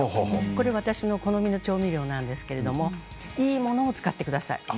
これは私の好みの調味料なんですけれども、いいものを使ってください。